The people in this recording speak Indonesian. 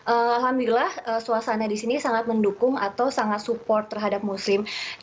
alhamdulillah suasana di sini sangat mendukung atau sangat support terhadap muslim